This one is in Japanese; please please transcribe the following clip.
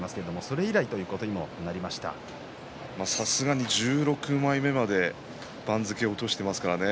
さすがに１６枚目まで番付を落としてますからね